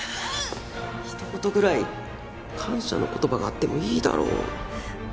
ひと言ぐらい感謝の言葉があってもいいだろう。